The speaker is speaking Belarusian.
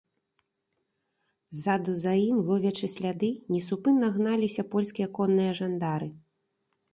Ззаду за ім, ловячы сляды, несупынна гналіся польскія конныя жандары.